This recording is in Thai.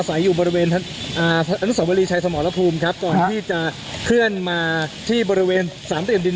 ทางกลุ่มมวลชนทะลุฟ้าทางกลุ่มมวลชนทะลุฟ้า